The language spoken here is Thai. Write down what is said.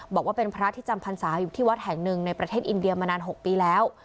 บอกว่าเป็นพระที่จำพรรษาอยู่ที่วัดแห่งหนึ่งในประเทศอินเดียมานาน๖ปีแล้ว